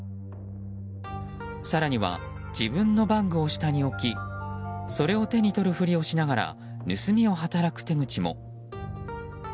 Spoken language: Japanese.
更には、自分のバッグを下に置きそれを手に取るふりをしながら盗みを働く手口も。